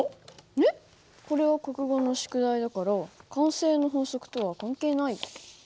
えっこれは国語の宿題だから慣性の法則とは関係ないよ。